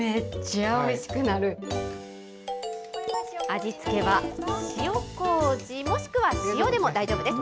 味付けは塩こうじ、もしくは塩でも大丈夫です。